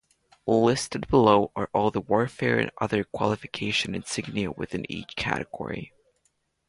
Listed below are all the Warfare and Other Qualification insignia within each category.